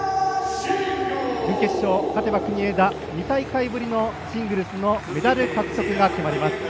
準決勝、勝てば国枝、２大会ぶりのシングルスのメダル獲得が決まります。